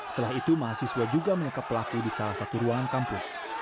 setelah itu mahasiswa juga menangkap pelaku di salah satu ruangan kampus